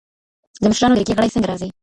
د مشرانو جرګي غړي څنګه راځي؟